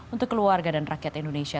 untuk keluarga dan rakyat indonesia